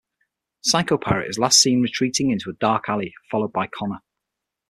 Psycho-Pirate is last seen retreating into a dark alley, followed by Conner.